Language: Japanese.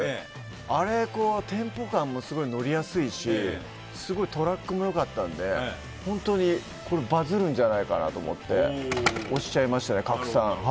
あれ、テンポ感もすごい乗りやすいしすごいトラックもよかったんで、これバズるんじゃないかと思って押しちゃいましたね、カクサン。